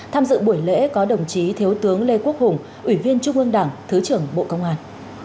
tham dự buổi lễ có đồng chí thiếu tướng lê quốc hùng ủy viên trung ương đảng thứ trưởng bộ công an